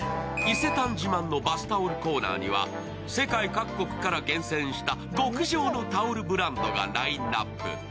伊勢丹自慢のバスタオルコーナーには、世界各国から厳選した極上のタオルブランドがラインナップ。